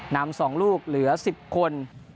นำ๒ลูกเหลือ๑๐คน